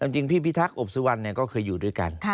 จริงพี่พิทักษอบสุวรรณก็เคยอยู่ด้วยกัน